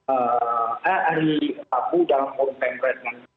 eh dari tabu dalam konten redman